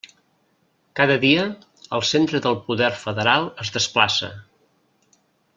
Cada dia, el centre del poder federal es desplaça.